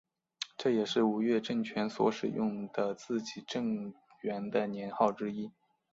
这也是吴越政权所使用的自己改元的年号之一。